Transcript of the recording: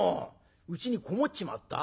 うちに籠もっちまった？